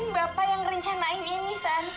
nggak mungkin bapak yang rencanain ini stan